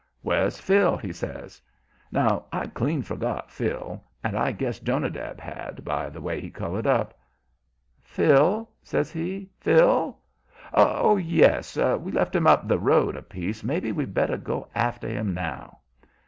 "Where's Phil?" he says. Now, I'd clean forgot Phil and I guess Jonadab had, by the way he colored up. "Phil?" says he. "Phil? Oh, yes! We left him up the road a piece. Maybe we'd better go after him now."